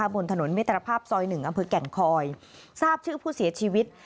บนถนนมิตรภาพซอย๑อำเภอแก่งคอยทราบชื่อผู้เสียชีวิต